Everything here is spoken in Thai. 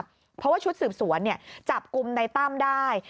เพราะว่าชุดสืบสวนจับกลุ่มในตั้มได้